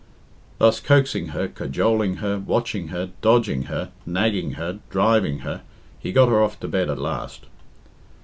Thus coaxing her, cajoling her, watching her, dodging her, nagging her, driving her, he got her off to bed at last.